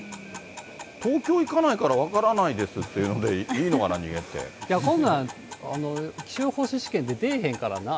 東京行かないから分からないですっていうのでいいのかな、逃こんなん、気象予報士試験で出えへんからなぁ。